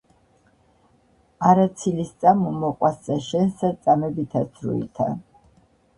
არა ცილი-სწამო მოყვასსა შენსა წამებითა ცრუითა.